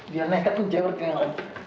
dia nekat menjawabnya